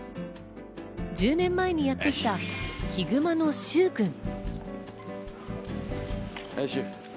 １０年前にやってきたヒグマのシュウくん。